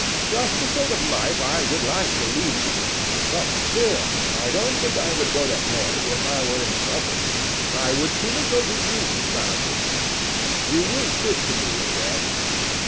Just the sort of life I would like to lead. But still I don't think I would go to Harry if I were in trouble. I would sooner go to you, Basil." "You will sit to me again?"